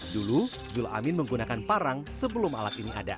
dulu zul amin menggunakan parang sebelum alat ini ada